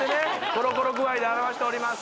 コロコロ具合で表しております